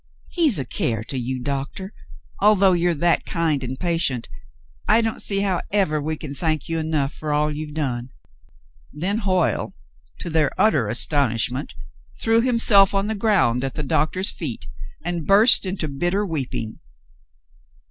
"He's a care to you. Doctor, although you're that kind and patient, — I don't see how ever we can thank you enough for all you've done !" Then Hoyle, to their utter astonishment, threw himself on the ground at the doctor's feet and burst into bitter weeping.